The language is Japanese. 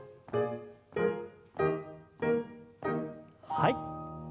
はい。